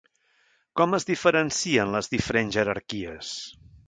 Com es diferencien les diferents jerarquies?